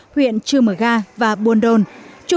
huyện chưa mở gác